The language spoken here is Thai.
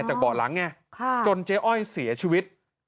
เบาะหลังไงจนเจ๊อ้อยเสียชีวิต